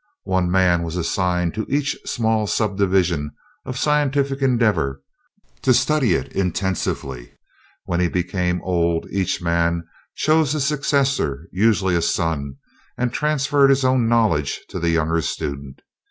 One man was assigned to each small subdivision of scientific endeavor, to study it intensively. When he became old, each man chose a successor usually a son and transferred his own knowledge to the younger student.